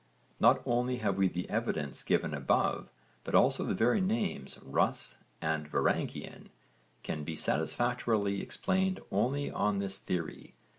Not only have we the evidence given above but also the very names 'Rus' and 'Varangian' can be satisfactorily explained only on this theory.